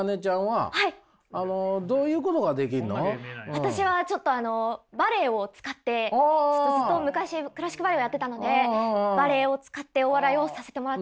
私はちょっとあのバレエを使ってずっと昔クラシックバレエをやってたのでバレエを使ってお笑いをさせてもらってて。